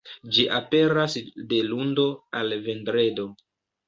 Ĝi aperas de lundo al vendredo.